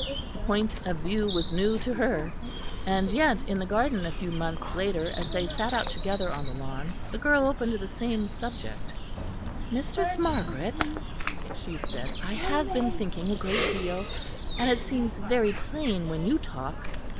The point of view was new to her. And yet again in the garden, a few months later, as they sat out together on the lawn, the girl opened the same subject. "Mistress Margaret," she said, "I have been thinking a great deal; and it seems very plain when you talk.